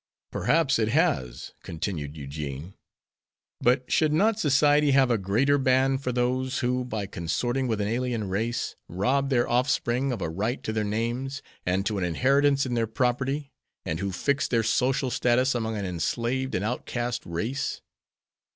"Perhaps it has," continued Eugene, "but should not society have a greater ban for those who, by consorting with an alien race, rob their offspring of a right to their names and to an inheritance in their property, and who fix their social status among an enslaved and outcast race?